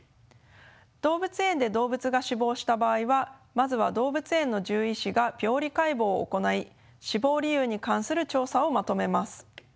動物園で動物が死亡した場合はまずは動物園の獣医師が病理解剖を行い死亡理由に関する調査をまとめます。